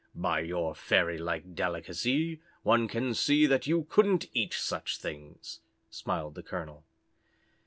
"By your fairy like delicacy one can see that you couldn't eat such things," smiled the colonel.